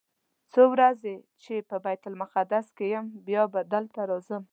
دا څو ورځې چې په بیت المقدس کې یم بیا به دلته راځم.